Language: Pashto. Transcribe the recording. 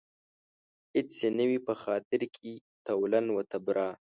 هېڅ يې نه وي په خاطر کې تولاً و تبرا